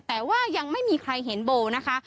แต่ว่ายังไม่มีใครเห็นโบนะคะ